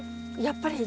やっぱり